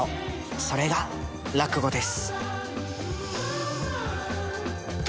それが落語です。